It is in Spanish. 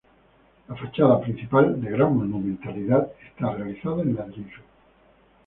La fachada principal, de gran monumentalidad, está realizada en ladrillo.